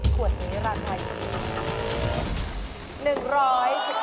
ขวดนี้ราคาอยู่ที่